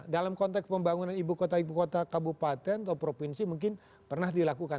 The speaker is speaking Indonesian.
dalam konteks pembangunan ibu kota ibu kota kabupaten atau provinsi mungkin pernah dilakukan